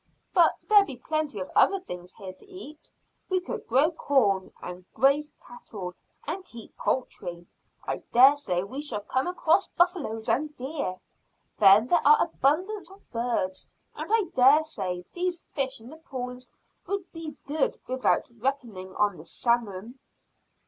"But there'd be plenty of other things here to eat. We could grow corn, and graze cattle, and keep poultry. I dare say we shall come across buffaloes and deer. Then there are abundance of birds, and I dare say these fish in the pools would be good, without reckoning on the salmon."